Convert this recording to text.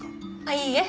いいえ。